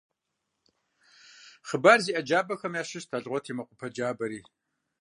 Хъыбар зиӏэ джабэхэм ящыщщ «Алгъуэт и мэкъупӏэ джабэри».